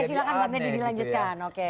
oke silahkan bantuin dilanjutkan oke